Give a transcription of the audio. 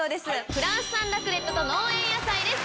フランス産ラクレットと農園野菜です。